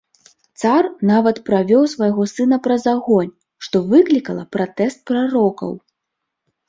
Цар нават правёў свайго сына праз агонь, што выклікала пратэст прарокаў.